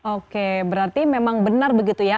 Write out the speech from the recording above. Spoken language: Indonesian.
oke berarti memang benar begitu ya